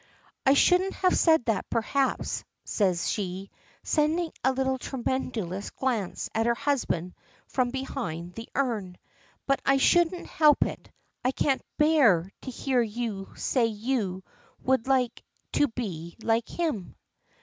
"I shouldn't have said that, perhaps," says she, sending a little tremulous glance at her husband from behind the urn. "But I couldn't help it. I can't bear to hear you say you would like to be like him."